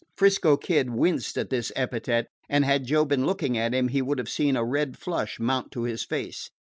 'Frisco Kid winced at this epithet, and had Joe been looking at him he would have seen a red flush mount to his face.